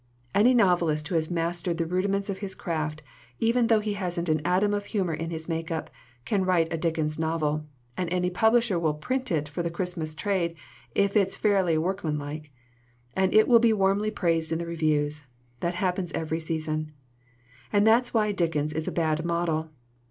"Any novelist who has mastered the rudiments of his craft, even though he hasn't an atom of humor in his make up, can write a Dickens novel, and any publisher will print it for the Christmas trade if it's fairly workman like, and it will be warmly praised in the reviews. That happens every season. "And that's why Dickens is a bad model.